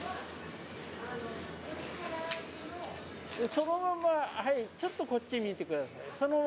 そのまんまはいちょっとこっち見てください。